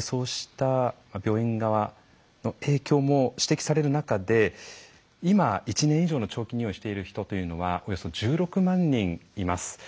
そうした病院側の影響も指摘される中で今、１年以上の長期入院をしている人というのはおよそ１６万人います。